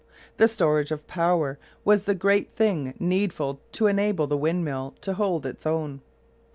The storage of power was the great thing needful to enable the windmill to hold its own.